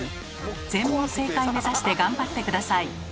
全問正解目指して頑張って下さい。